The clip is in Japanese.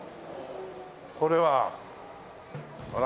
これは。ほら。